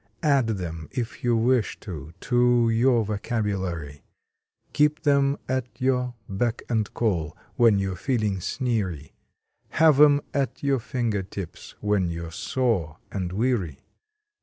Add them, if you wish to, to your vocabulary. Keep em at your beck and call when you re feeling sneery. Have em at your finger tips when you re sore and weary.